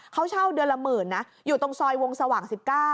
เขาเช่าเดือนละหมื่นนะอยู่ตรงซอยวงสว่าง๑๙